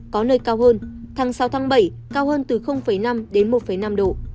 có nơi cao hơn tháng sáu bảy cao hơn từ năm một năm độ